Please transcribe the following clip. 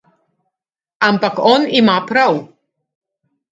Ampak on ima prav.